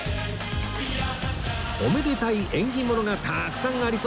おめでたい縁起物がたくさんありそうです